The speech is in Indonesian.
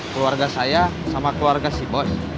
keluarga saya sama keluarga si bos